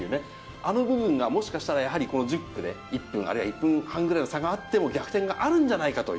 あの部分がもしかしたらやはりこの１０区で、１分、あるいは１分半ぐらいの差があっても逆転があるんじゃないかと。